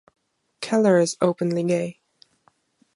Keller is openly gay.